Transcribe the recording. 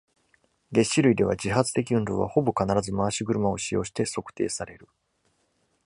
齧歯類では、自発的運動はほぼ必ず回し車を使用して測定される。